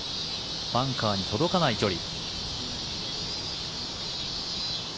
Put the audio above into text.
バンカーに届かない距離。